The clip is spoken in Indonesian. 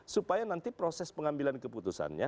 supaya nanti proses pengambilan keputusannya